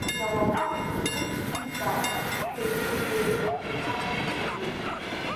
Уи ауахәама хәыц-хәыц иҭиҵааит, ишәеит, изеит, адиссертациагьы иҩит.